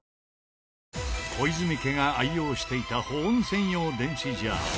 小泉家が愛用していた保温専用電子ジャー